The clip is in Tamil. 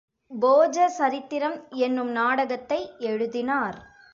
போஜ சரித்திரம் என்னும் நாடகத்தை எழுதினார்.